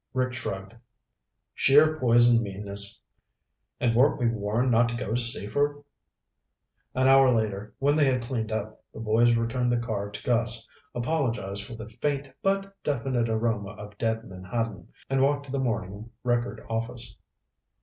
Rick shrugged. "Sheer poison meanness. And weren't we warned not to go to Seaford?" An hour later, when they had cleaned up, the boys returned the car to Gus, apologized for the faint but definite aroma of dead menhaden, and walked to the Morning Record office.